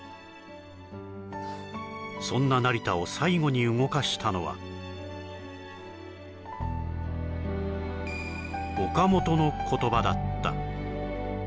そんな成田を最後に動かしたのはだった